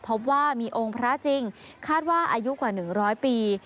เพราะว่ามีองค์พระจริงคาดว่าอายุกว่าหนึ่งร้อยปี